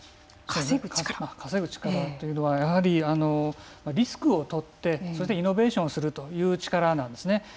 稼ぐ力というのはやはりリスクをとってイノベーションするという力なんですね。